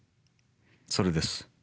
それです。